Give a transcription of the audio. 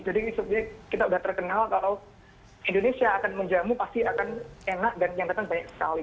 jadi kita sudah terkenal kalau indonesia akan menjamu pasti akan enak dan yang datang banyak sekali